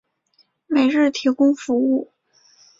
每日提供服务。